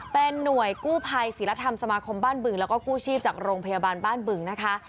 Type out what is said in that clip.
เป็นหน่วยกู้ภัยศิลธรรมสมาคมบ้านบึงแล้วก็กู้ชีพจากโรงพยาบาลบ้านบึงนะคะ